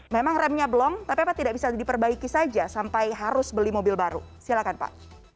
memang remnya belum tapi apa tidak bisa diperbaiki saja sampai harus beli mobil baru silakan pak